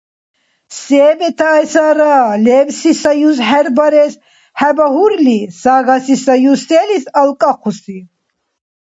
Се бетаэсара? Лебси Союз хӀербарес хӀебагьурли, сагаси Союз селис алкӀахъуси?